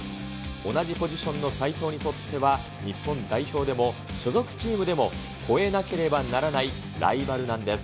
同じポジションの齋藤にとっては、日本代表でも所属チームでも、超えなければならないライバルなんです。